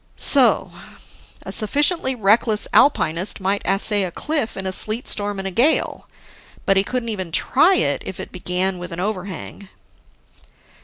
So ... a sufficiently reckless alpinist might assay a cliff in a sleet storm and gale, but he couldn't even try if it began with an overhang.